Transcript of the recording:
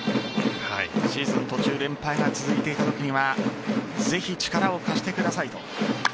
シーズン途中連敗が続いていたときにはぜひ力を貸してくださいと。